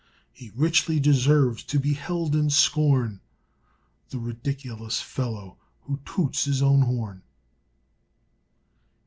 He richly deserves to be held in scorn The ridiculous fellow who toots his own horn.